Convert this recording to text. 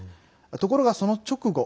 ところが、その直後